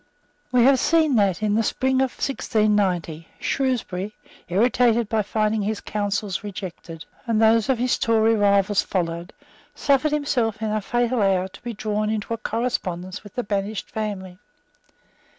We have seen that, in the spring of 1690, Shrewsbury, irritated by finding his counsels rejected, and those of his Tory rivals followed, suffered himself, in a fatal hour, to be drawn into a correspondence with the banished family.